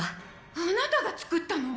あなたが作ったの？